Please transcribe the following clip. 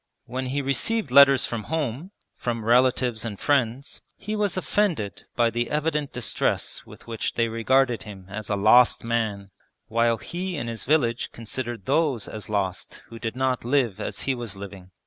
When he received letters from home, from relatives and friends, he was offended by the evident distress with which they regarded him as a lost man, while he in his village considered those as lost who did not live as he was living.